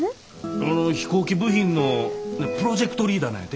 あの飛行機部品のプロジェクトリーダーなんやて？